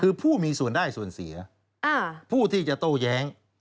คือผู้มีส่วนได้ส่วนเสียผู้ที่จะโต้แย้ง